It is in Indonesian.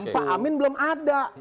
pak amin belum ada